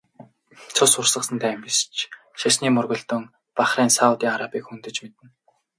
Цус урсгасан дайн биш ч шашны мөргөлдөөн Бахрейн, Саудын Арабыг хөндөж мэднэ.